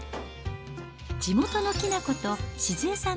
地元のきな粉と静恵さん